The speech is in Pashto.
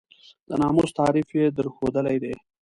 د ناموس تعریف یې درښودلی دی.